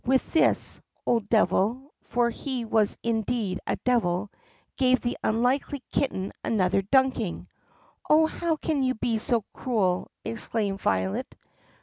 With this, the old devil — for he was in deed a devil — gave the unlucky kitten another ducking. "Oh, how can you be so cruel!" exclaimed Violet.